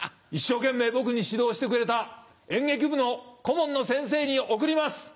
一生懸命僕に指導してくれた演劇部の顧問の先生に贈ります！